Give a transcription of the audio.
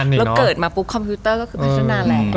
เราเกิดมาปุ๊บคอมพิวเตอร์ก็คือประชุนหน้าแหละ